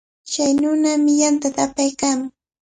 Chay nunami yantata apaykaamun.